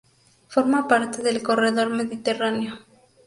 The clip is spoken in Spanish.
Forma parte del Corredor Mediterráneo.